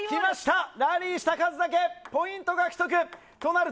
ラリーした数だけポイント獲得！